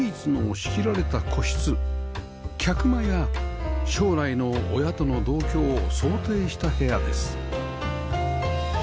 客間や将来の親との同居を想定した部屋です